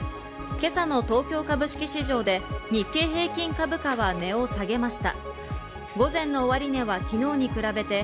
今朝の東京株式市場で日経平均株価は値を下げました。